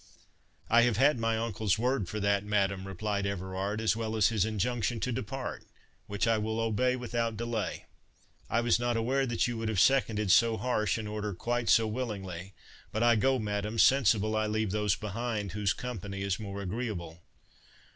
"I have had my uncle's word for that, madam," replied Everard, "as well as his injunction to depart, which I will obey without delay. I was not aware that you would have seconded so harsh an order quite so willingly; but I go, madam, sensible I leave those behind whose company is more agreeable."